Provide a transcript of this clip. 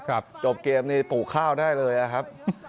จบเกมนี่ปลูกข้าวได้เลยนะครับ